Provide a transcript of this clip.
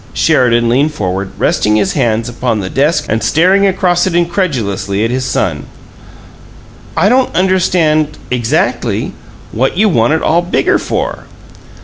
Sheridan leaned forward, resting his hands upon the desk and staring across it incredulously at his son. "I don't understand exactly what you want it all bigger for?"